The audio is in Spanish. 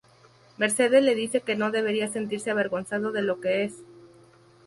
Mercedes le dice que no debería sentirse avergonzado de lo que es.